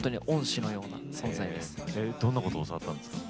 えどんなこと教わったんですか？